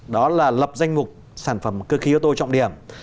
đó là lập danh mục sản phẩm cơ khí ô tô trọng điểm